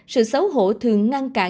sự xấu hổ thường ngăn cản